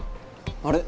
あれ？